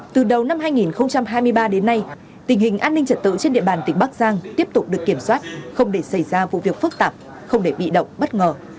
từ đầu năm hai nghìn hai mươi ba đến nay tình hình an ninh trật tự trên địa bàn tỉnh bắc giang tiếp tục được kiểm soát không để xảy ra vụ việc phức tạp không để bị động bất ngờ